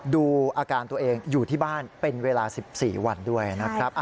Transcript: ดูอาการตัวเองอยู่ที่บ้านเป็นเวลา๑๔วันด้วยนะครับ